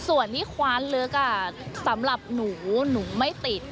ส่วนที่คว้านลึกสำหรับหนูหนูไม่ติด